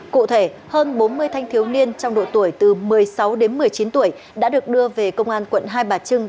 cụ thể hơn bốn mươi thanh thiếu niên trong độ tuổi từ một mươi sáu đến một mươi chín tuổi đã được đưa về công an quận hai bà trưng